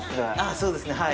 そうですね、はい。